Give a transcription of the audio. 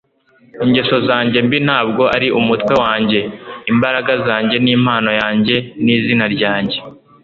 ingeso zanjye mbi ntabwo ari umutwe wanjye. imbaraga zanjye n'impano yanjye ni izina ryanjye